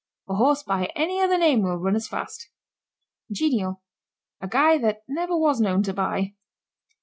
A horse by any other name will run as fast. GENIAL. A guy that never was known to buy.